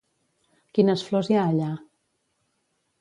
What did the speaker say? Quines flors hi ha allà?